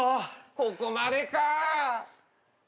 ここまでか。